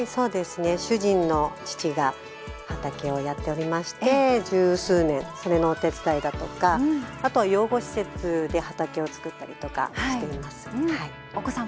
主人の父が畑をやっておりまして十数年、それのお手伝いだとかあとは養護施設で畑を作ったりとかしています。